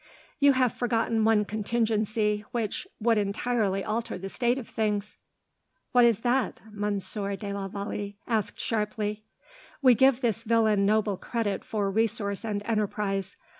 "You have forgotten one contingency, which would entirely alter the state of things." "What is that?" Monsieur de la Vallee asked sharply. "We give this villain noble credit for resource and enterprise.